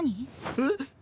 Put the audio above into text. えっ？